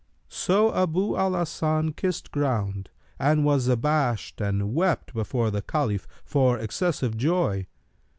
So Abu al Hasan kissed ground and was abashed and wept before the Caliph for excess of joy.